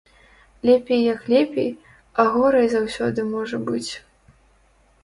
Лепей як лепей, а горай заўсёды можа быць.